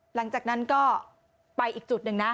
หลังจากนั้นก็ไปอีกจุดหนึ่งนะ